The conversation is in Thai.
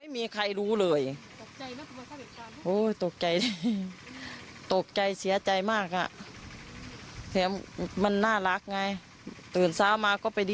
แม่ไม่เห็นครับแต่หวานถึงแล้วรอบบอก